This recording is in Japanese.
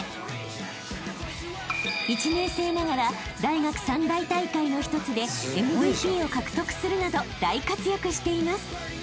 ［１年生ながら大学三大大会の一つでＭＶＰを獲得するなど大活躍しています］